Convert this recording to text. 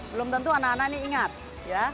belum tentu anak anak ini ingat ya